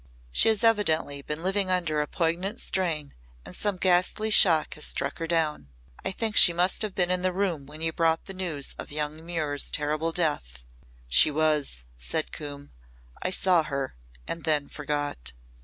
"She has evidently been living under a poignant strain and some ghastly shock has struck her down. I think she must have been in the room when you brought the news of young Muir's terrible death." "She was," said Coombe. "I saw her and then forgot."